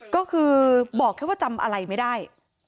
ก็คือบอกแค่ว่าจำอะไรไม่ได้